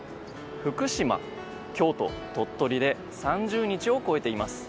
福島、京都、鳥取で３０日を超えています。